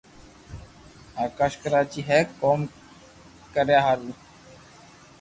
آڪاݾ ڪراچي ھي ڪوم ڪريا ھارون